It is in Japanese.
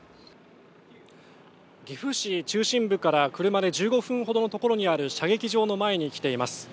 岐阜市中心部から車で１５分ほどのところにある射撃場の前に来ています。